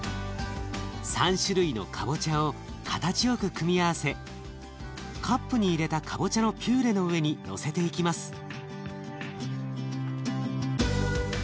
３種類のかぼちゃを形よく組み合わせカップに入れたかぼちゃのピューレの上にのせていきます。